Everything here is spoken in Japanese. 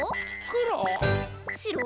くろ？」